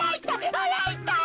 あらいたい。